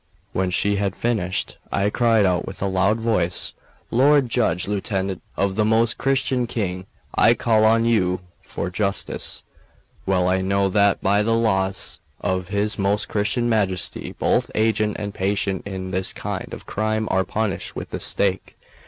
When she had finished, I cried out with a loud voice: "Lord judge, lieutenant of the Most Christian King, I call on you for justice. Well I know that by the laws of his Most Christian Majesty both agent and patient in this kind of crime are punished with the stake.